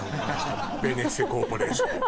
ベネッセコーポレーション。